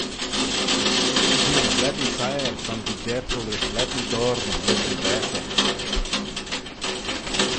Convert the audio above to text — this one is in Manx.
Ve ayns lane siyr son ve jerkal rish lane dhorn lurg yn vaase eck.